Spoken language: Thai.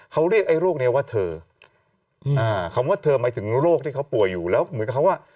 เขาเรียกไอ้โรคเนี้ยว่าเธออ่าคำว่าเธอหมายถึงโรคที่เขาป่วยอยู่แล้วเหมือนกับเขาว่า